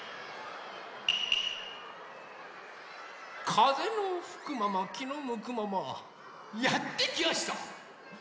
かぜのふくままきのむくままやってきやした。